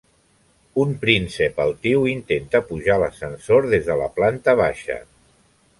Un príncep altiu intenta pujar a l'ascensor des de la planta baixa.